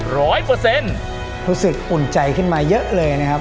รู้สึกอุ่นใจขึ้นมาเยอะเลยนะครับ